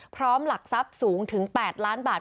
หลักทรัพย์สูงถึง๘ล้านบาท